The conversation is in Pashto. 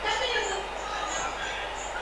لرغونپوهنې، کتیبو، تاریخي متونو